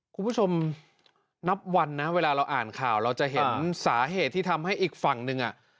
คุณผู้ชมนับวันนะเวลาเราอ่านข่าวเราจะเห็นสาเหตุที่ทำให้อีกฝั่งหนึ่งอ่ะ